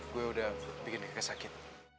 gue udah bikin kayak sakit